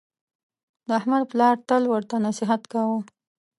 د احمد پلار تل ورته نصحت کاوه: